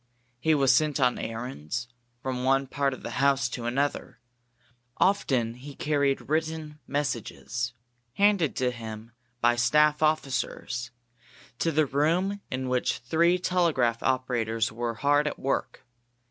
He was sent on errands, from one part of the house to another; often he carried written messages, handed to him by staff officers, to the room in which three telegraph operators were hard at work.